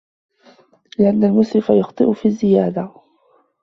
لِأَنَّ الْمُسْرِفَ يُخْطِئُ فِي الزِّيَادَةِ